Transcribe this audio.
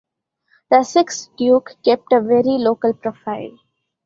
The sixth duke kept a very local profile.